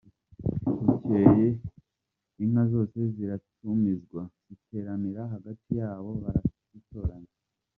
Bukeye inka zose ziratumizwa, ziteranira hagati yabo, barazitoranya.